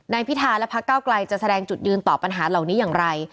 พิธาและพักเก้าไกลจะแสดงจุดยืนต่อปัญหาเหล่านี้อย่างไร